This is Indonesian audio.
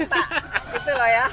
itu loh ya